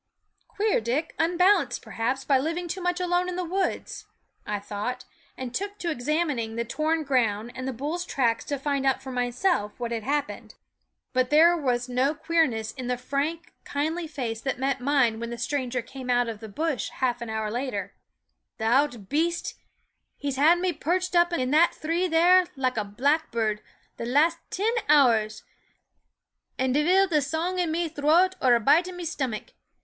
" Queer Dick ! unbalanced, perhaps, by living too much alone in the woods," I thought, and took to examining the torn Ibttkuenaw/s Jfieff/ghfy ^ SCHOOL OF ground and the bull's tracks to find out for myself what had happened. But there was no queerness in the frank, kindly face that met mine when the stranger came out of the bush a half hour later. " Th' ould baste ! he 's had me perrched up in that three there, like a blackburrd, the last tin hours ; an' divil th' song in me throat or a bite in me stomach.